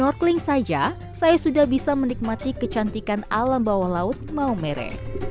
norkeling saja saya sudah bisa menikmati kecantikan alam bawah laut maumere